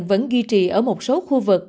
vẫn ghi trì ở một số khu vực